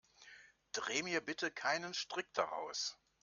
Dreh mir bitte keinen Strick daraus.